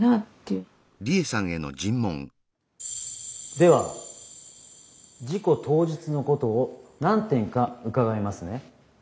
では事故当日のことを何点か伺いますね。